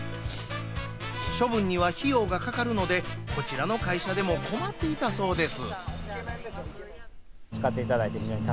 処分には費用がかかるのでこちらの会社でも困っていたそうです。